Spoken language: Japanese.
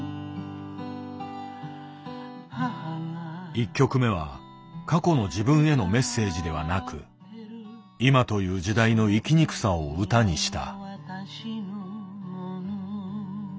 １曲目は過去の自分へのメッセージではなく今という時代の生きにくさを歌にした。